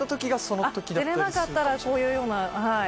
出れなかったらこういうような。